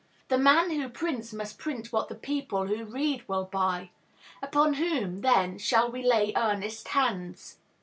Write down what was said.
The man who prints must print what the people who read will buy. Upon whom, then, shall we lay earnest hands?